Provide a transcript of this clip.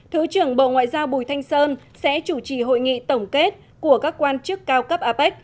thứ trưởng bộ ngoại giao bùi thanh sơn sẽ chủ trì hội nghị tổng kết của các quan chức cao cấp apec